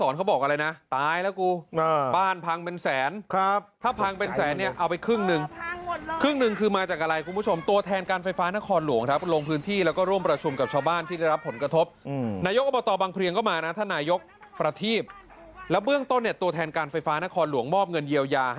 แล้วก็อีกสักครั้งมันก็หวบลงมาเลย